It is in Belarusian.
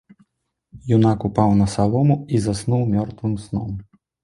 Юнак упаў на салому і заснуў мёртвым сном.